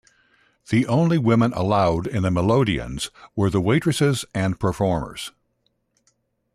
The only women allowed in the melodeons were the waitresses and performers.